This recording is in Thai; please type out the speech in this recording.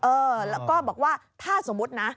เออแล้วก็บอกว่าถ้าสมมุตินะ